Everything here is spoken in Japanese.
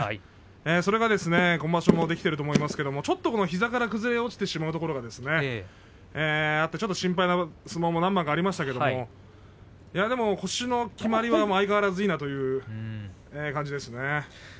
それが今場所もできていると思いますけれど膝から崩れ落ちてしまうというところが心配な相撲も何番かありましたけれど腰のきまりは相変わらずいいなというそういう感じですね。